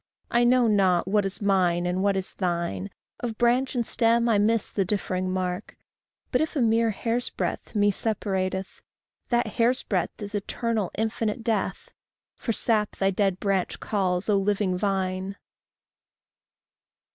I know not what is mine and what is thine Of branch and stem I miss the differing mark But if a mere hair's breadth me separateth, That hair's breadth is eternal, infinite death. For sap thy dead branch calls, O living vine!